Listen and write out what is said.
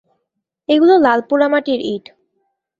এগুলো লাল পোড়ামাটির ইট।